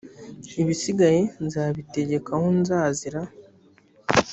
ibisigaye nzabitegeka aho nzazira